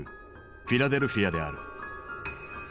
フィラデルフィアである。